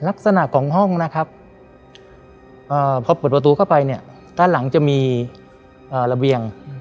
ลักษณะของห้องนะครับพอเปิดประตูเข้าไปเนี่ยด้านหลังจะมีระเบียง